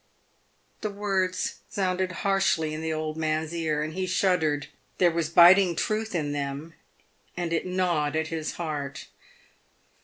The Avords sounded harshly in the old man's ear, and he shuddered. There was biting truth in them, and it gnawed at his heart.